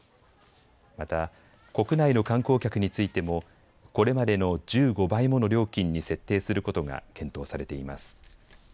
また国内の観光客についてもこれまでの１５倍もの料金に設定することが検討されています。